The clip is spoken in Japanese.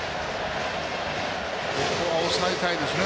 ここは抑えたいですね